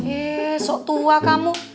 ih sok tua kamu